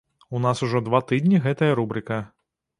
У нас ужо два тыдні гэтая рубрыка.